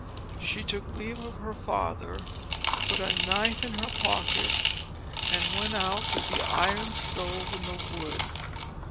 She took leave of her father, put a knife in her pocket, and went out to the Iron Stove in the wood.